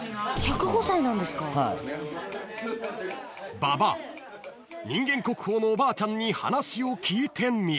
［馬場人間国宝のおばあちゃんに話を聞いてみる］